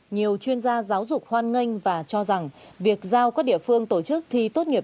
nhiều chuyên gia giáo dục hoan nghênh và cho rằng việc giao các địa phương tổ chức thi tốt nghiệp